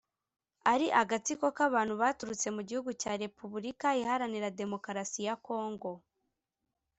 ari agatsiko k’abantu baturutse mu gihugu cya Repubulika iharanira Demokarasi ya Congo